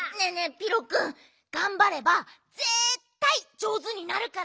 ピロくんがんばればぜったいじょうずになるからね！